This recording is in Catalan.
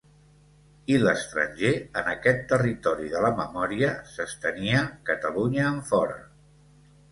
I l'estranger, en aquest territori de la memòria, s'estenia Catalunya enfora.